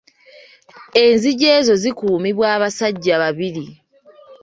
Enzigi ezo zikuumibwa abasajja babiri.